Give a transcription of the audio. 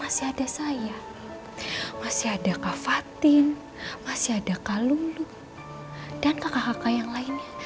masih ada saya masih ada kak fatin masih ada kak lulu dan kakak kakak yang lainnya